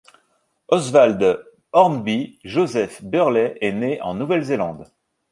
Oswald Hornby Joseph Birley est né en Nouvelle-Zélande.